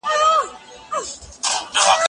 زه بايد نان وخورم.